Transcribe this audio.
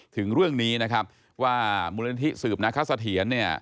ถึงเรื่องนี้นะครับว่ามุลธิสืบนาคสเถียน